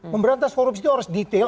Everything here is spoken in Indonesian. memberantas korupsi itu harus detail